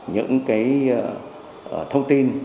những cái thông tin